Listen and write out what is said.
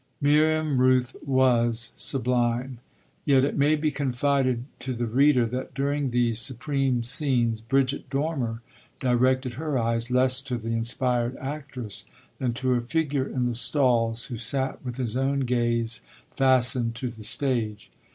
Miriam Rooth was sublime; yet it may be confided to the reader that during these supreme scenes Bridget Dormer directed her eyes less to the inspired actress than to a figure in the stalls who sat with his own gaze fastened to the stage.